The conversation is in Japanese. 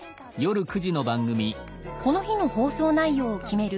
この日の放送内容を決める